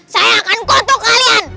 saya akan kotuk kalian